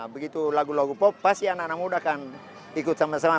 begitu lagu lagu pop pasti anak anak muda akan ikut sama sama